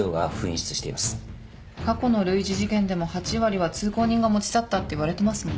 過去の類似事件でも８割は通行人が持ち去ったっていわれてますもんね。